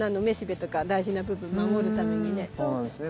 そうなんですね。